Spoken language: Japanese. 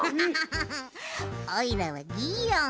おいらはギーオン。